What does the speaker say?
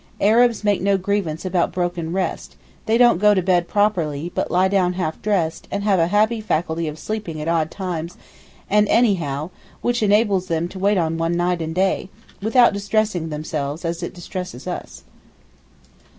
Arabs make no grievance about broken rest; they don't 'go to bed properly,' but lie down half dressed, and have a happy faculty of sleeping at odd times and anyhow, which enables them to wait on one day and night, without distressing themselves as it distresses us.